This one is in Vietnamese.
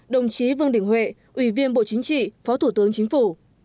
một mươi hai đồng chí vương đình huệ ủy viên bộ chính trị phó thủ tướng chính phủ